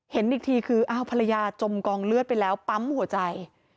เห็นอีกทีคืออ้าวภรรยาจมกองเลือดไปแล้วปั๊มหัวใจ